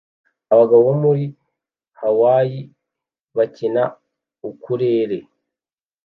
Abagabo bo muri Hawayi bakina ukulele